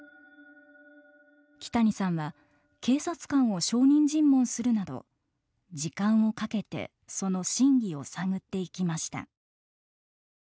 木谷さんは警察官を証人尋問するなど時間をかけてその真偽を探っていきました。